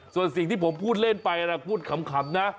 ส่วนสิ่งที่ผมพูดเล่นไปนะพูดขำนะ